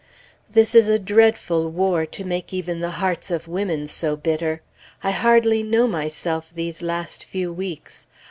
This is a dreadful war, to make even the hearts of women so bitter! I hardly know myself these last few weeks.